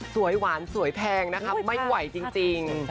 สวยหวานสวยแพงนะคะไม่ไหวจริง